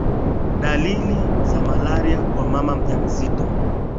dalili za maralia kwa mama mjamzito